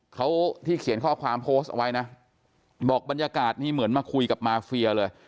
เขาที่เขียนข้อความโพสต์เอาไว้นะบอกบรรยากาศนี้เหมือนมาคุยกับมาเฟียเลย